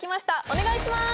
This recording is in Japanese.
お願いします